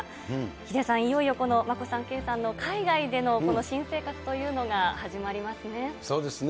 ヒデさん、いよいよこの眞子さん、圭さんの海外での新生活というのが始まりますね。